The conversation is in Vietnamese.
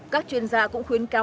các chuyên gia cũng khuyên cao